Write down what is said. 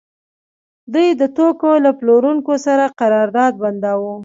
دوی د توکو له پلورونکو سره قرارداد بنداوه